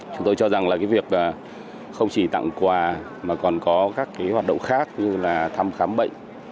chúng tôi cho rằng là cái việc không chỉ tặng quà mà còn có các hoạt động khác như là thăm khám bệnh